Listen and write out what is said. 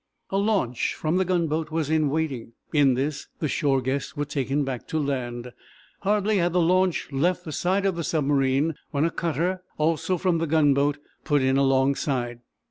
A launch from the gunboat was in waiting. In this the shore guests were taken back to land. Hardly had the launch left the side of the submarine, when a cutter, also from the gunboat, put in alongside.